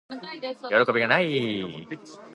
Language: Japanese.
よろこびがない～